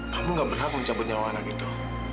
kamu gak berhak mencabut nyawa anak itu